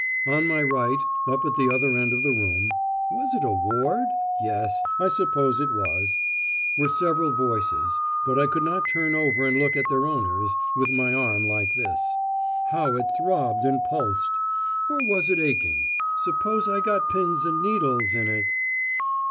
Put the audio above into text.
On my right, up at the other end of the room (was it a "ward"? yes, I suppose it was) were several voices, but I could not turn over and look at their owners, with my arm like this. How it throbbed and pulsed! Or was it aching? Supposing I got pins and needles in it....